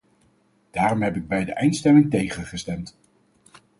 Daarom heb ik bij de eindstemming tegen gestemd.